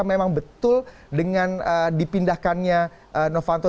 memang betul dengan dipindahkannya novanto